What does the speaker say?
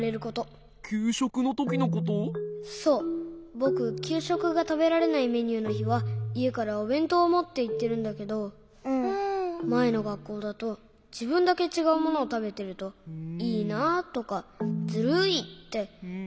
ぼくきゅうしょくがたべられないメニューのひはいえからおべんとうをもっていってるんだけどまえのがっこうだとじぶんだけちがうものをたべてると「いいな」とか「ずるい！」っていわれることがあって。